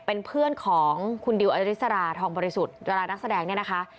เป็นเพื่อนของคุณดิวอริสราทองบริสุทธิ์ดารานักแสดงเนี่ยนะคะ